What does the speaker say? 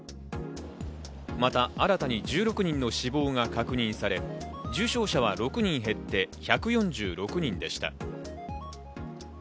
また新たに１６人の死亡が確認され、重症者は６人減って、１４６人でした。